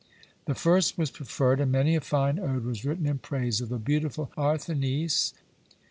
The first was preferred, and many a fine ode was written in praise of the beautiful Arthenice!